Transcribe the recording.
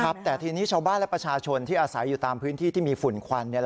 ครับแต่ทีนี้ชาวบ้านและประชาชนที่อาศัยอยู่ตามพื้นที่ที่มีฝุ่นควัน